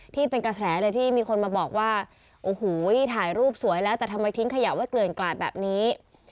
ที่เป็นกระแสเลยที่มีคนมาบอกว่าโอ้โหถ่ายรูปสวยแล้วแต่ทำไมทิ้งขยะไว้เกลื่อนกลาดแบบนี้